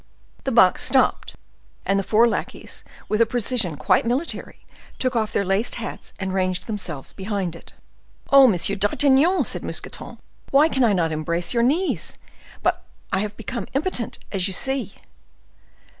The box stopped, and the four lackeys, with a precision quite military, took off their laced hats and ranged themselves behind it. "Oh, Monsieur d'Artagnan!" said Mousqueton, "why can I not embrace your knees? But I have become impotent, as you see."